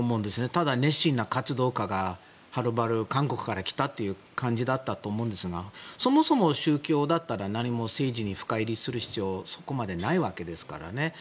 ただ、熱心な活動家がはるばる韓国から来たという感じだったと思うんですがそもそも宗教だったら何も政治に深入りする必要はそこまでないわけですからね。